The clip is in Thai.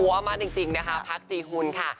หัวมาจริงนะคะพรรคจีฮุนค่ะ